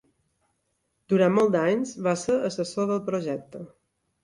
Durant molts anys va ser assessor del projecte.